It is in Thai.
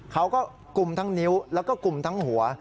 กลุ่มทั้งนิ้วแล้วก็กลุ่มทั้งหัว